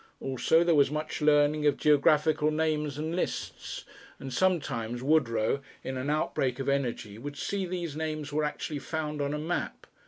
Also there was much learning of geographical names and lists, and sometimes Woodrow in an outbreak of energy would see these names were actually found on a map.